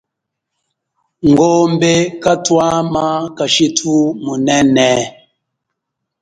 Ngombe kathama kashithu munene